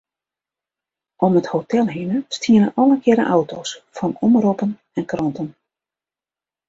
Om it hotel hinne stiene allegearre auto's fan omroppen en kranten.